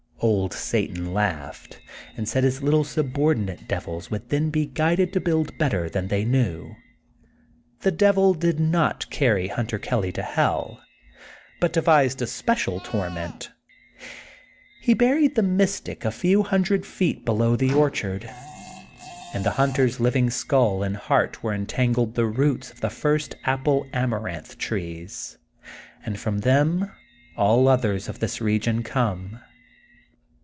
Old Satan laughed, and said his little subordinate devils would then be guided to build better than they knew. The Devil did not carry Hun ter Kelly to Hell, but devised a special tor ment. He buried the mystic a few hundred feet below the orchard. In the hunter's living 44 THE GOLDEN BOOK OF SPRINGFIELD sknll and heart were entangled the roots of the first Apple Amaranth Trees, and from them all others of this region come.